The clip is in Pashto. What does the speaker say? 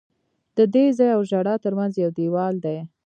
د دې ځای او ژړا ترمنځ یو دیوال دی.